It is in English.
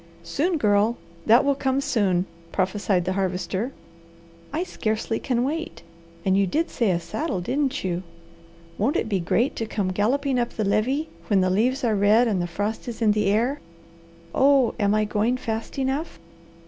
"Soon, Girl! That will come soon," prophesied the Harvester. "I scarcely can wait. And you did say a saddle, didn't you? Won't it be great to come galloping up the levee, when the leaves are red and the frost is in the air. Oh am I going fast enough?"